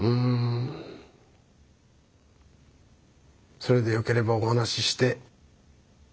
それでよければお話しして。